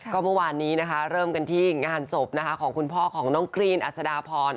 ก็เมื่อวานนี้นะคะเริ่มกันที่งานศพนะคะของคุณพ่อของน้องกรีนอัศดาพร